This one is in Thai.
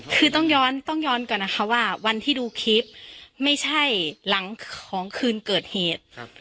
คือต้องย้อนต้องย้อนก่อนนะคะว่าวันที่ดูคลิปไม่ใช่หลังของคืนเกิดเหตุ